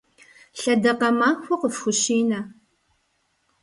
Лъэдакъэ махуэ къыфхущинэ!